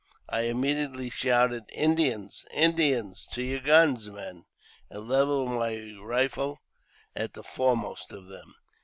I immediately shouted, "Indians! Indians! to your guns, men !" and levelled my rifle at the foremost of them.